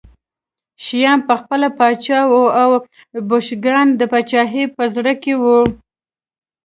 شیام پخپله پاچا و او بوشنګان د پاچاهۍ په زړه کې وو